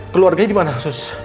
keluarganya dimana sus